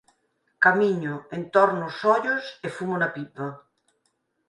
Camiño, entorno os ollos e fumo na pipa.